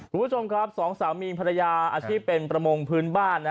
คุณผู้ชมครับสองสามีภรรยาอาชีพเป็นประมงพื้นบ้าน